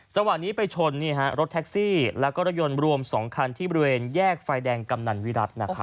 จังหวะนี้ไปชนรถแท็กซี่แล้วก็รถยนต์รวม๒คันที่บริเวณแยกไฟแดงกำนันวิรัติ